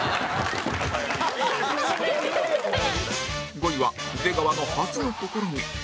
５位は、出川の初の試み